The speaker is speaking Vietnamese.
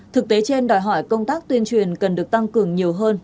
thực tế trên đòi hỏi công tác tuyên truyền cần được tăng cường nhiều hơn